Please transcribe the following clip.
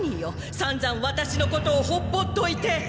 さんざんワタシのことをほっぽっといて！